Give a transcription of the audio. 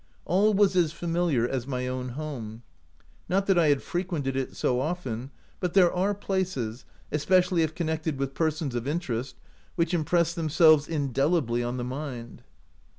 All was as familiar as my own home — not that I had frequented it so often, but there are places, especially if con nected with persons of interest, which im press themselves indelibly on the mind.